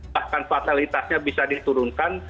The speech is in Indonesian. bahkan fatalitasnya bisa diturunkan